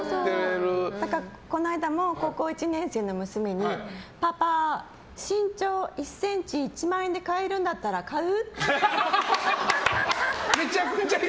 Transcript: この間も、高校１年生の娘にパパ、身長１ｃｍ１万円で買えるんだったら買う？